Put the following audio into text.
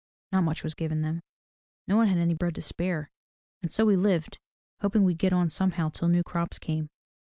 Not much was given them. No one had any bread to spare. And so we lived, hoping we'd get on somehow till new crops came.